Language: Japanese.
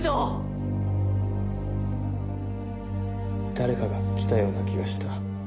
誰かが来たような気がした。